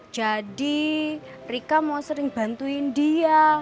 jadi rika mau sering bantuin dia